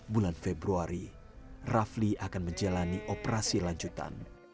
bulan februari rafli akan menjalani operasi lanjutan